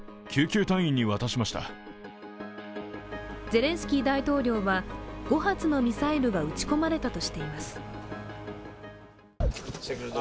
ゼレンスキー大統領は、５発のミサイルが撃ち込まれたとしています。